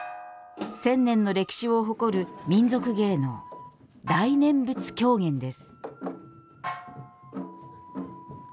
千年の歴史を誇る民俗芸能大念仏狂言です。